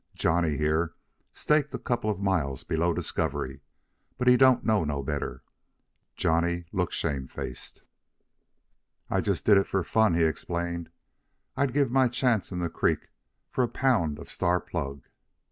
Johnny, here, staked a couple of miles below Discovery, but he don't know no better." Johnny looked shamefaced. "I just did it for fun," he explained. "I'd give my chance in the creek for a pound of Star plug."